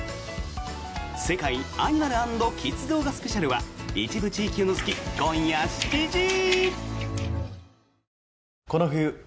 「世界アニマル＆キッズ動画スペシャル」は一部地域を除き、今夜７時。